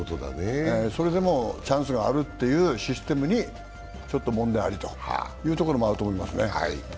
それでもチャンスがあるというシステムにちょっと問題ありというところもあると思いますね。